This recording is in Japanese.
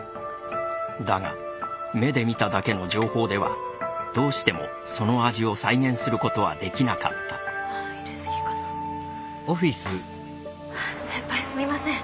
だが目で見ただけの情報ではどうしてもその味を再現することはできなかった先輩すみません。